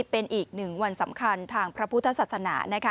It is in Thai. เป็นอีกหนึ่งวันสำคัญทางพระพุทธศาสนานะคะ